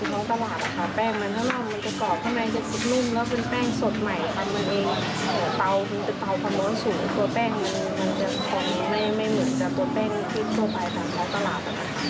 ไม่เหมือนกับตัวเป้งที่ตัวไปอะแต่มันก็ปลาดตามตามท้องตลาด